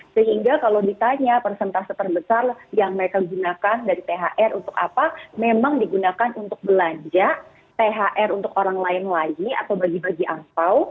sehingga kalau ditanya persentase terbesar yang mereka gunakan dari thr untuk apa memang digunakan untuk belanja thr untuk orang lain lagi atau bagi bagi angpao